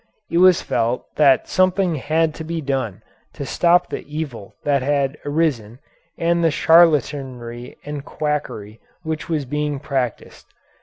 It was felt that something had to be done to stop the evil that had arisen and the charlatanry and quackery which was being practised.